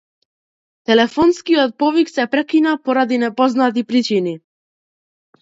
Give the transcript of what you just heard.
Телефонскиот повик се прекина поради непознати причини.